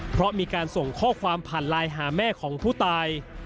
เพราะมีการส่งข้อความผ่านไลน์หาแม่ของผู้ตาย